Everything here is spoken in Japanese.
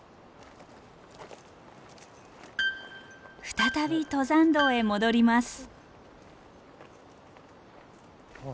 再び登山道へ戻ります。